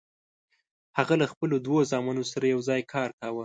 هغه له خپلو دوو زامنو سره یوځای کار کاوه.